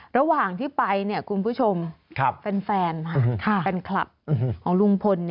ระหว่างที่ไปคุณผู้ชมแฟนแฟนคลับของลุงพล